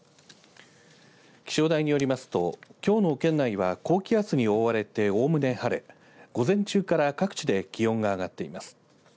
気象台によりますと、きょうの県内は高気圧に覆われておおむね晴れ午前中から各地で気温が上がっています。